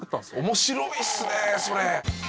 面白いっすねそれ！